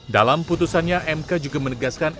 dalam putusannya mk juga menegaskan